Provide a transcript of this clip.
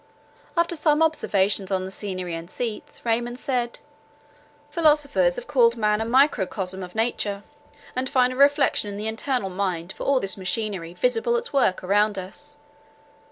After some observations on the scenery and seats, Raymond said: "Philosophers have called man a microcosm of nature, and find a reflection in the internal mind for all this machinery visibly at work around us.